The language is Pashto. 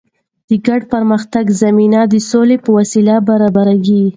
د ګډ پرمختګ زمینه د سولې په وسیله برابریږي.